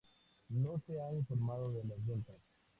No se ha informado de las ventas.